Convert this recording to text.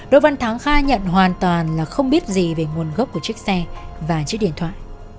đỗ văn thắng khai nhận hoàn toàn là không biết gì về nguồn gốc của chiếc xe và chiếc điện thoại